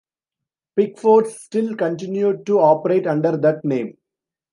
Pickfords still continued to operate under that name.